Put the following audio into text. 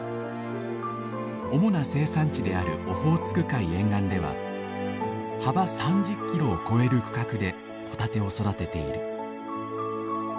主な生産地であるオホーツク海沿岸では幅３０ｋｍを超える区画でホタテを育てている。